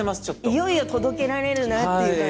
いよいよ届けられるなという。